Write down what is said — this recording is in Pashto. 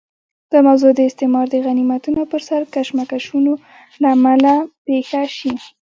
دا موضوع د استعمار د غنیمتونو پر سر کشمکشونو له امله پېښه شي.